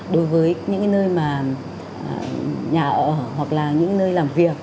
đối với những nơi mà nhà ở hoặc là những nơi làm việc